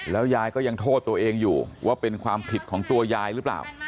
ยายก็ยังโทษตัวเองอยู่ว่าเป็นความผิดของตัวยายหรือเปล่า